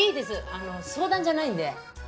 あの相談じゃないんで。